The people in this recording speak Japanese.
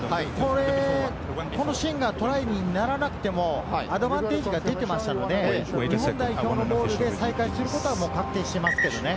このシーンがトライにならなくても、アドバンテージが出てましたので、日本代表のボールで再開することは確定しています。